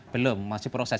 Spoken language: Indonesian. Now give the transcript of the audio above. belum masih proses